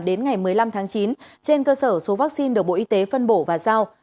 đến ngày một mươi năm tháng chín trên cơ sở số vaccine được bộ y tế phân bổ và giao